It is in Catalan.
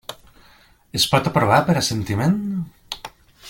Es pot aprovar per assentiment?